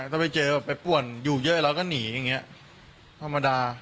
ถ้าไปเจอไปป่วนอยู่เยอะเราก็หนีอย่างนี้ธรรมดา